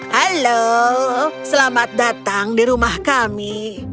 halo selamat datang di rumah kami